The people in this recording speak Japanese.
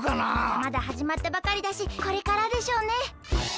まだはじまったばかりだしこれからでしょうね。